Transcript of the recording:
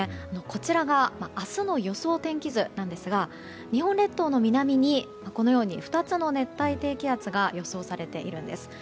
こちらが明日の予想天気図なんですが日本列島の南にこのように２つの熱帯低気圧が予想されているんです。